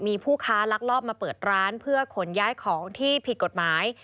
มีผู้ค้าลักลอบมาเปิดร้านเพื่อขนย้ายของที่ผิดกฎหมาย